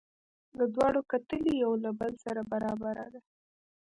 د دواړو کتلې یو له بل سره برابره ده.